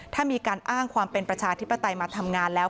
ถ้ามีการอ้างความเป็นประชาธิปไตยมาทำงานแล้ว